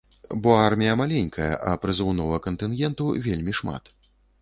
Бо армія маленькая, а прызыўнога кантынгенту вельмі шмат.